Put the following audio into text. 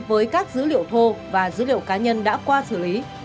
với các dữ liệu thô và dữ liệu cá nhân đã qua xử lý